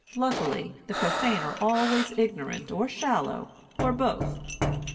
Luckily the profane are always ignorant or shallow, or both.